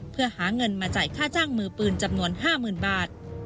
เพื่อหาเงินมาจ่ายค่าจ้างมือปืนจำนวน๕๐๐๐บาท